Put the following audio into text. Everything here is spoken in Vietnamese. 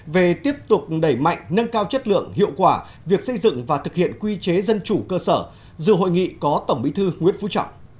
về tiếp tục đẩy mạnh nâng cao chất lượng hiệu quả việc xây dựng và thực hiện quy chế dân chủ cơ sở dự hội nghị có tổng bí thư nguyễn phú trọng